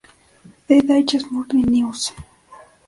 The Dallas Morning News.